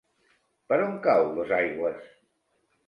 Per on cau Dosaigües?